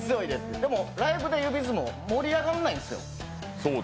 でも、ライブで指相撲、盛り上がらないんですよ。